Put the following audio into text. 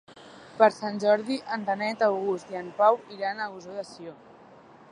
Per Sant Jordi en Renat August i en Pau iran a Ossó de Sió.